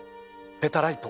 ペタライト！